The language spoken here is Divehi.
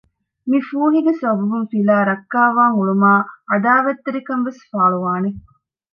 މި ފޫހީގެ ސަބަބުން ފިލާ ރައްކާވާން އުޅުމާއި ޢަދާވާތްތެރިކަން ވެސް ފާޅުވާނެ